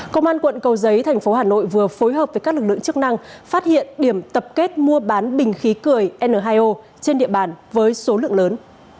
công an quận cầu giấy thành phố hà nội vừa phối hợp với các lực lượng chức năng phát hiện điểm tập kết mua bán bình khí cười n hai o trên địa bàn với số lượng lớn